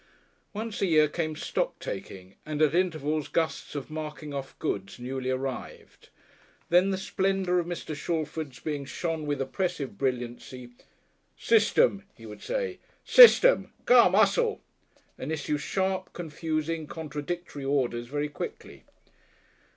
Once a year came stock taking, and at intervals gusts of "marking off" goods newly arrived. Then the splendours of Mr. Shalford's being shone with oppressive brilliancy. "System!" he would say, "system. Come! 'ussel!" and issue sharp, confusing, contradictory orders very quickly.